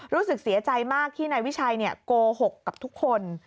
รู้สึกเสียใจมากที่นายวิชัยโกหกกับทุกคน